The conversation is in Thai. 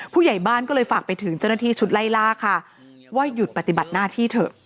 ผู้ใหญ่บ้านก็เลยฝากไปถึงเจ้าหน้าที่ชุดไล่ล่าค่ะว่าหยุดปฏิบัติหน้าที่เถอะ